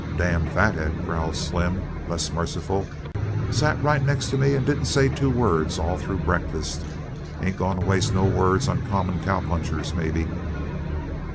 "Damn fat head," growled Slim, less merciful, "sat right next to me and didn't say two words all through breakfast. Ain't going to waste no words on common cowpunchers, maybe."